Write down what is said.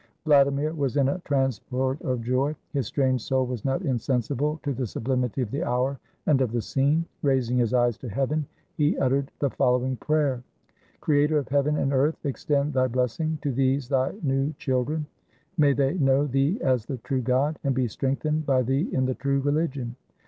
Vladimir was in a transport of joy. His strange soul was not insensible to the sublimity of the hour and of the scene. Raising his eyes to heaven, he uttered the follow ing prayer: — "Creator of heaven and earth, extend thy blessing to these thy new children. May they know thee as the true God, and be strengthened by thee in the true reUgion.